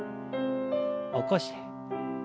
起こして。